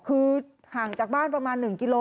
คือห่างจากบ้านประมาณ๑กิโล